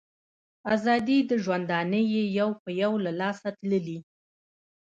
آزادۍ د ژوندانه یې یو په یو له لاسه تللي